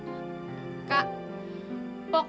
kak pokoknya opi gak mau ke rumah kakak harus ke rumah